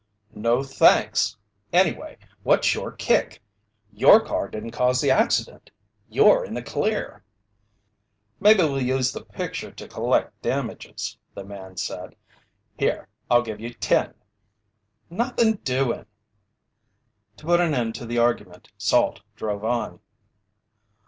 "No, thanks. Anyway, what's your kick? Your car didn't cause the accident. You're in the clear." "Maybe we'll use the picture to collect damages," the man said. "Here, I'll give you ten." "Nothing doing." To put an end to the argument, Salt drove on.